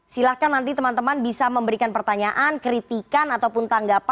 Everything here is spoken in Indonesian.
silahkan nanti teman teman bisa memberikan pertanyaan kritikan ataupun tanggapan